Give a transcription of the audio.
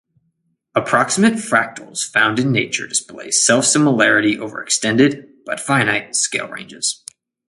Approximate fractals found in nature display self-similarity over extended, but finite, scale ranges.